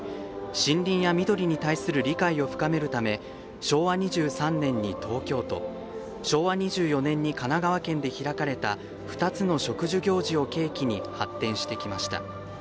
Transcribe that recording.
森林や緑に対する理解を深めるため昭和２３年に東京都昭和２４年に神奈川県で開かれた２つの植樹行事を契機に発展してきました。